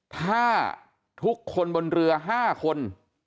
ถ้าทุกคนบนเรือ๕คน